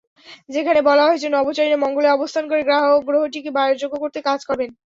যেখানে বলা হয়েছে, নভোচারীরা মঙ্গলে অবস্থান করে গ্রহটিকে বাসযোগ্য করতে কাজ করবেন।